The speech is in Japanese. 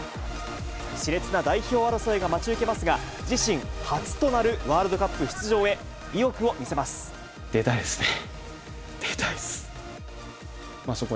しれつな代表争いが待ち受けますが、自身初となるワールドカップ出たいですね。